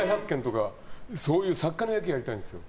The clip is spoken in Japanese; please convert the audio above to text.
そういう作家の役をしたいんですよ。